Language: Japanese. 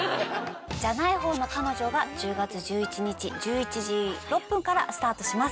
『じゃない方の彼女』が１０月１１日１１時６分からスタートします。